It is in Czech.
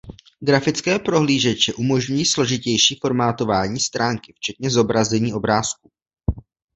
Grafické prohlížeče umožňují složitější formátování stránky včetně zobrazení obrázků.